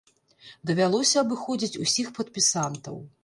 Давялося абыходзіць усіх падпісантаў.